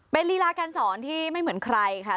เป็นลีลาการสอนที่ไม่เหมือนใครค่ะ